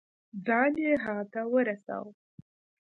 ځان يې هغه ته ورساوه.